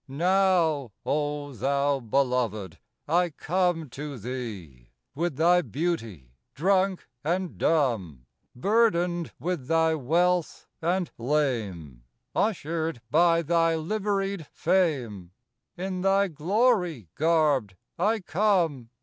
Now, O thou Beloved, I come to thee: With thy beauty drunk and dumb; Burdened with thy wealth, and lame; Ushered by thy liveried Fame; In thy glory garbed I come.